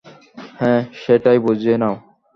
হ্যাঁ, সেটাই বুঝে নাও।